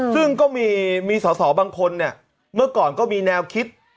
ซึ่งก็มีสาวบางคนเมื่อก่อนก็มีแนวคิด